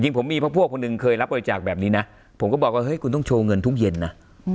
ผมมีพวกคนหนึ่งเคยรับบริจาคแบบนี้นะผมก็บอกว่าเฮ้ยคุณต้องโชว์เงินทุกเย็นนะ